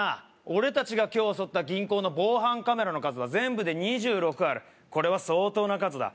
俺達が今日襲った銀行の防犯カメラの数は全部で２６あるこれは相当な数だ